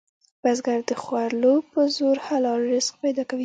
بزګر د خولو په زور حلال رزق پیدا کوي